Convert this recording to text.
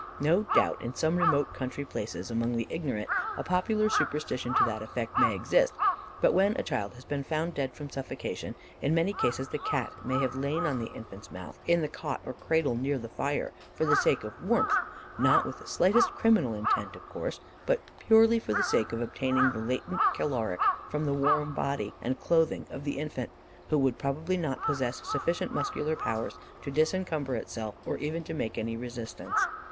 No doubt in some remote country places, among the ignorant, a popular superstition to that effect may exist, but when a child has been found dead from suffocation, in many cases the Cat may have lain on the infant's mouth, in the cot or cradle near the fire, for the sake of warmth not with the slightest criminal intent of course, but purely for the sake of obtaining the latent caloric from the warm body and clothing of the infant, who would probably not possess sufficient muscular power to disencumber itself, or even to make any resistance."